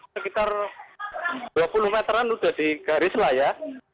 sekitar dua puluh meteran sudah di garis lah ya